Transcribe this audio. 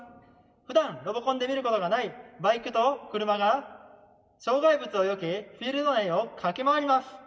ふだんロボコンで見ることがないバイクとクルマが障害物をよけフィールド内を駆け回ります。